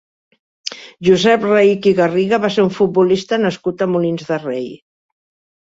Josep Raich i Garriga va ser un futbolista nascut a Molins de Rei.